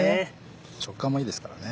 食感もいいですからね。